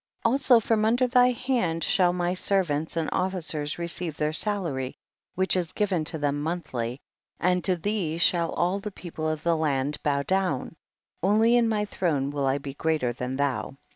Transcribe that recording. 22. Also from under thy hand shall my servants and officers receive their salary which is given to them month ly, and to thee sliall all the people of the land bow down ; only in my throne will I be greater than thou.